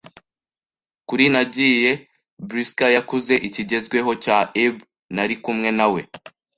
kure nagiye, brisker yakuze ikigezweho cya ebb), nari kumwe na we